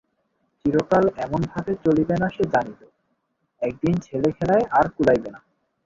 চিরকাল এমনভাবে চলিবে না সে জানিত, একদিন ছেলেখেলায় আর কুলাইবে না।